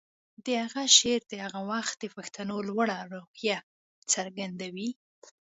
د هغه شعر د هغه وخت د پښتنو لوړه روحیه څرګندوي